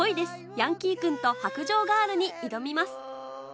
ヤンキー君と白杖ガール』に挑みます